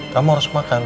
kamu harus makan